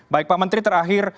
baik pak menteri terakhir